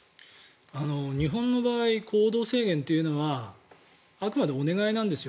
日本の場合行動制限っていうのはあくまでもお願いなんです。